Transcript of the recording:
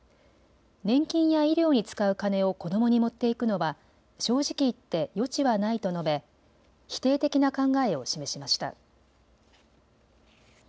年金や医療に使う金を子どもに持っていくのは正直言って余地はないと述べ否定的な考えを示しました。